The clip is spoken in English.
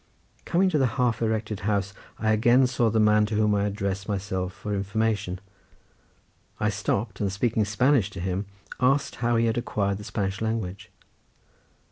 Coming to the half erected house, I again saw the man to whom I had addressed myself for information. I stopped, and speaking Spanish to him, asked how he had acquired the Spanish language.